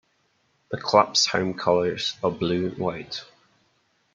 The club's home colours are blue and white.